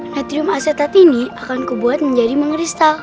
natrium acetat ini akan kubuat menjadi mengeristal